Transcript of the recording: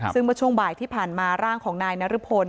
ซึ่งเมื่อช่วงบ่ายที่ผ่านมาร่างของนายนรพล